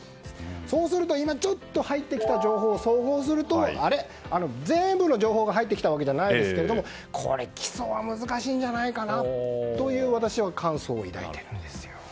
そうすると今入ってきた情報を総合すると全部の情報が入ってきたわけじゃないですがこれ、起訴は難しいんじゃないかなという私は、感想を抱いているんですよ。